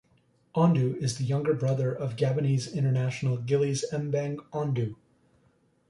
Ondo is the younger brother of Gabonese international Gilles Mbang Ondo.